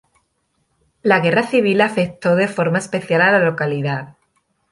La Guerra Civil afectó de forma especial a la localidad.